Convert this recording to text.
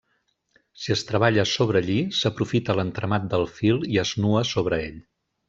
Si es treballa sobre lli, s'aprofita l'entramat del fil i es nua sobre ell.